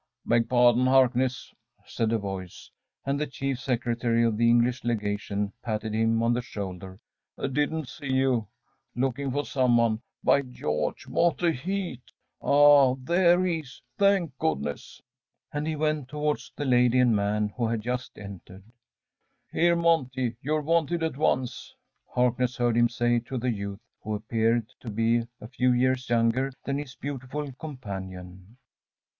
“Beg pardon, Harkness,‚ÄĚ said a voice, and the Chief Secretary of the English Legation patted him on the shoulder. “Didn't see you. Looking for some one. By George, what a heat! Ah! there he is thank goodness!‚ÄĚ And he went towards the lady and man who had just entered. “Here, Monty, you're wanted at once,‚ÄĚ Harkness heard him say to the youth, who appeared to be a few years younger than his beautiful companion.